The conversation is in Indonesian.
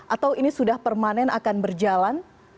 atau ini sudah permanen akan berjalan